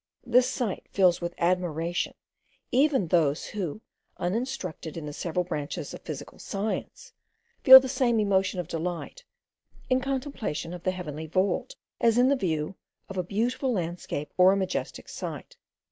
This sight fills with admiration even those who, uninstructed in the several branches of physical science, feel the same emotion of delight in the contemplation of the heavenly vault, as in the view of a beautiful landscape, or a majestic site.